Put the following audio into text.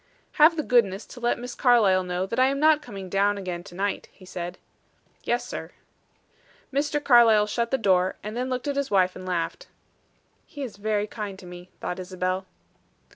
"Have the goodness to let Miss Carlyle know that I am not coming down again to night," he said. "Yes, sir." Mr. Carlyle shut the door, and then looked at his wife and laughed. "He is very kind to me," thought Isabel.